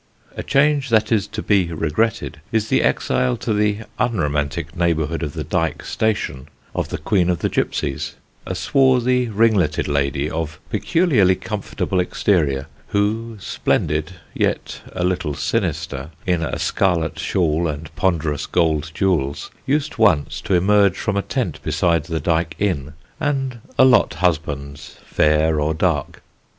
A change that is to be regretted is the exile to the unromantic neighbourhood of the Dyke Station of the Queen of the Gipsies, a swarthy ringletted lady of peculiarly comfortable exterior who, splendid (yet a little sinister) in a scarlet shawl and ponderous gold jewels, used once to emerge from a tent beside the Dyke inn and allot husbands fair or dark.